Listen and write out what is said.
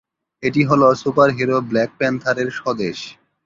এটি হলো superhero black প্যান্থার-এর স্বদেশ।